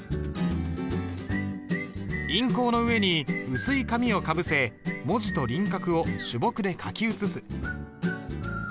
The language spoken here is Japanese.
印稿の上に薄い紙をかぶせ文字と輪郭を朱墨で書き写す。